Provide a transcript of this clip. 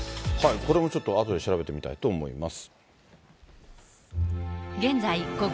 これもちょっとあとで調べてみたいと思います。